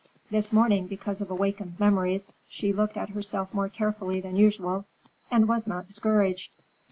This morning, because of awakened memories, she looked at herself more carefully than usual, and was not discouraged.